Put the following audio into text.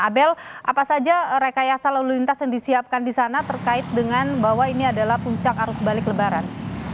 abel apa saja rekayasa lalu lintas yang disiapkan di sana terkait dengan bahwa ini adalah puncak arus balik lebaran